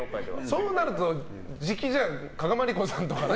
そうなるとじきに加賀まりこさんとかね。